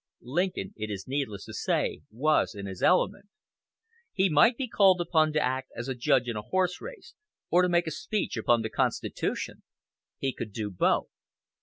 Lincoln, it is needless to say, was in his element. He might be called upon to act as judge in a horse race, or to make a speech upon the Constitution! He could do both.